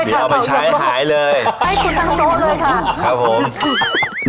เดี๋ยวเอาไปใช้หายเลยให้คุณทั้งโต๊ะเลยค่ะครับผม